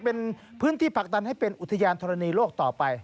เป็นพื้นที่ผลักดันให้เป็นอุทยานธรณีโลกต่อไป